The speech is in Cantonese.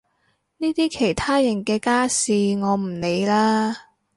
呢啲其他人嘅家事我唔理啦